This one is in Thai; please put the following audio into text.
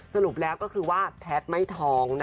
สรุปแล้วก็คือว่าแพทย์ไม่ท้อง